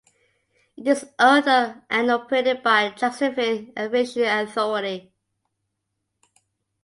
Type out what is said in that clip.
It is owned and operated by the Jacksonville Aviation Authority.